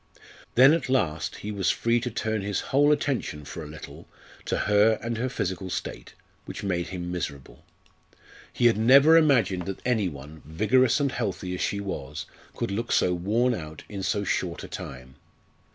Then at last he was free to turn his whole attention for a little to her and her physical state, which made him miserable. He had never imagined that any one, vigorous and healthy as she was, could look so worn out in so short a time.